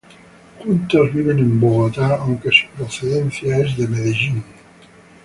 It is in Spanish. Juntos viven en Bogotá, aunque su procedencia es Medellín.